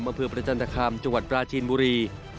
อำเภอประจันตคามจังหวัดปราจีนบุรี